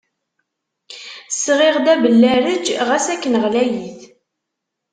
Sɣiɣ-d abellarej ɣas akken ɣlayit.